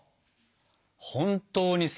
本当にさ